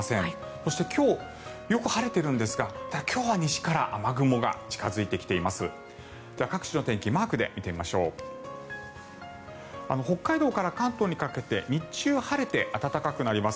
そして、今日よく晴れているんですが今日は西から雨雲が近付いてきています。